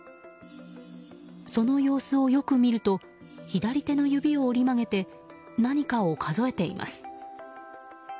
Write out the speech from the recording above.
その様子をよく見ると左手の指を折り曲げて何かを数えています。